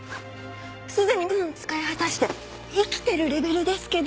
すでに運使い果たして生きてるレベルですけど！